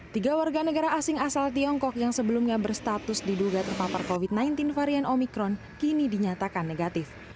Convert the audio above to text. tiga warga negara asing asal tiongkok yang sebelumnya berstatus diduga terpapar covid sembilan belas varian omikron kini dinyatakan negatif